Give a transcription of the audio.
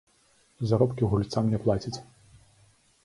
Заробкі гульцам не плацяць.